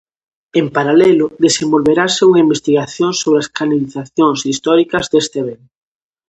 En paralelo, desenvolverase unha investigación sobre as canalizacións históricas deste ben.